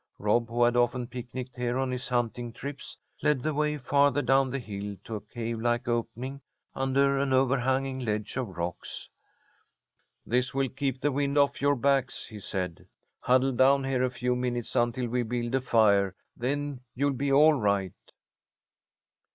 Rob, who had often picnicked here on his hunting trips, led the way farther down the hill to a cavelike opening under an overhanging ledge of rocks. "This will keep the wind off your backs," he said. "Huddle down here a few minutes until we build a fire. Then you'll be all right."